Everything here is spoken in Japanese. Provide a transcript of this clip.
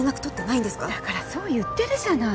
だからそう言ってるじゃない。